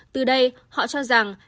từ đây họ cho rằng